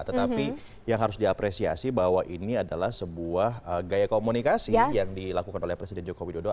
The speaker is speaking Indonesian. tetapi yang harus diapresiasi bahwa ini adalah sebuah gaya komunikasi yang dilakukan oleh presiden joko widodo